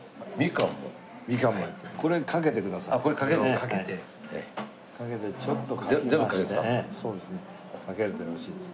かけるとよろしいですね。